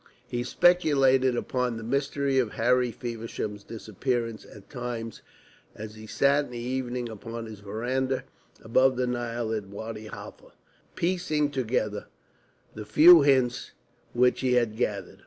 He speculated upon the mystery of Harry Feversham's disappearance at times as he sat in the evening upon his verandah above the Nile at Wadi Halfa, piecing together the few hints which he had gathered.